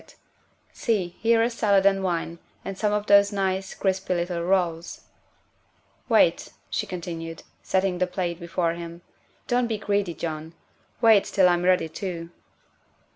THE SECRETARY OF STATE 65 See, here is salad and wine, and some of those nice, crispy little rolls." " Wait," she continued, setting the plate before him, '' don 't be greedy, John wait till I 'm ready too.